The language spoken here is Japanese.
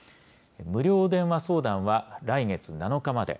無料電話相談は、来月７日まで。